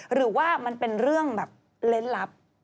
หรือว่ามันเป็นเรื่องแบบเล่นลับ